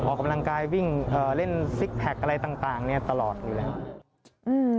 ออกกำลังกายวิ่งเล่นซิกแพคอะไรต่างตลอดอยู่แล้ว